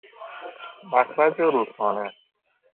مخرج رودخانه